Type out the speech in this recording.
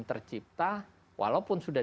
tercipta walaupun sudah